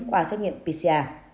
qua xét nghiệm pcr